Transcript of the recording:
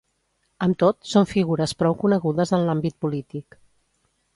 Amb tot, són figures prou conegudes en l’àmbit polític.